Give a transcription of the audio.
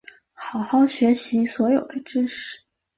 好好学习所有的知识